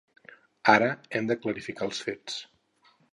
Ara hem de clarificar els fets.